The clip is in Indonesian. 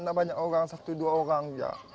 ada banyak orang satu dua orang